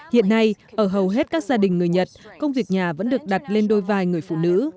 hiện nay ở hầu hết các gia đình người nhật công việc nhà vẫn được đặt lên đôi vai người phụ nữ